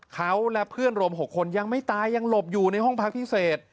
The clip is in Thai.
เขาและเพื่อนรวม๖คนยังไม่ตายยังหลบอยู่ในห้องพักพิเศษ